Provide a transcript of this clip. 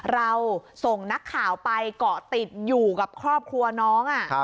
เราส่งนักข่าวไปเกาะติดอยู่กับครอบครัวน้อง